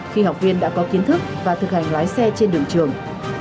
khi học viên đã có kiến thức và thực hành lái xe trên đường trường